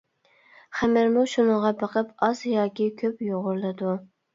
خېمىرمۇ شۇنىڭغا بېقىپ ئاز ياكى كۆپ يۇغۇرۇلىدۇ.